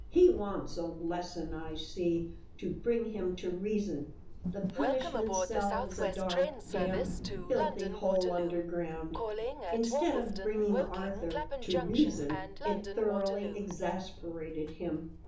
He wants a lesson, I see, to bring him to reason." The punishment cell was a dark, damp, filthy hole under ground. Instead of bringing Arthur "to reason," it thoroughly exasperated him.